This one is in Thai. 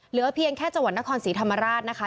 เหลือเพียงแค่จังหวัดนครศรีธรรมราชนะคะ